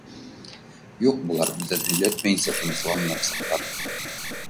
Юҡ, былар беҙҙән һөйләтмәйенсә тынысланмаясаҡтар.